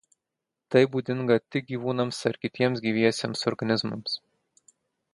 Tai būdinga tik gyvūnams ar kitiems gyviesiems organizmams.